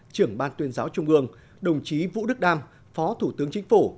trưởng ban tuyên giáo trung ương đồng chí vũ đức đam phó thủ tướng chính phủ